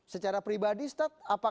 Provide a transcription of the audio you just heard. secara pribadi stat